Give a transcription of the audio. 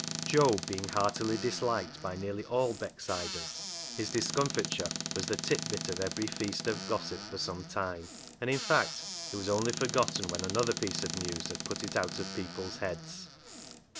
72 CLOG SHOP CHRONICLES Job being heartily disliked by nearly all Becksiders, his discomfiture was the tit bit of every feast of gossip for some time, and, in fact, it was only forgotten when another piece of news had put it out of people's heads.